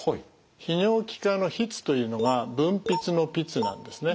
泌尿器科の「泌」というのが分泌の「泌」なんですね。